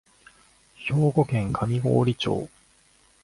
兵庫県上郡町